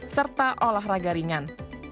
serta olahraga ringan